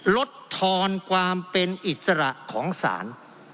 ลดทอนความเป็นอิสระของศาล